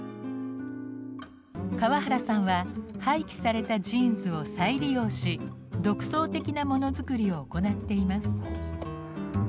河原さんは廃棄されたジーンズを再利用し独創的なモノづくりを行っています。